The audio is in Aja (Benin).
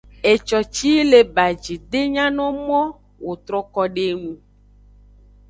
Eco ci yi le baji de nyano mo wo troko do eye nu.